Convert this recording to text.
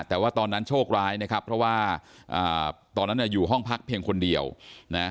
แต่ว่าตอนนั้นโชคร้ายนะครับเพราะว่าตอนนั้นเนี่ยอยู่ห้องพักเพียงคนเดียวนะ